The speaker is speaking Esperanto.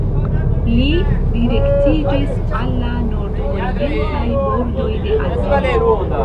Li direktiĝis al la nordorientaj bordoj de Azio.